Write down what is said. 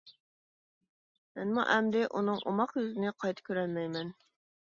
مەنمۇ ئەمدى ئۇنىڭ ئوماق يۈزىنى قايتا كۆرەلمەيمەن.